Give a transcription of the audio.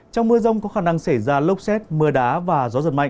trong mưa rông có khả năng xảy ra lốc xét mưa đá và gió giật mạnh